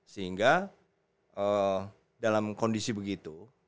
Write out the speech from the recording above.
sehingga dalam kondisi begitu